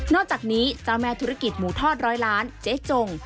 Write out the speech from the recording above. อกจากนี้เจ้าแม่ธุรกิจหมูทอดร้อยล้านเจ๊จง